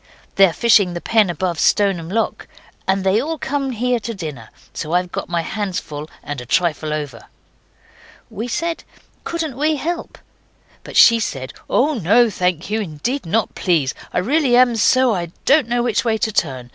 They're fishing the pen above Stoneham Lock. And they all come here to dinner. So I've got my hands full and a trifle over.' We said, 'Couldn't we help?' But she said, 'Oh, no, thank you. Indeed not, please. I really am so I don't know which way to turn.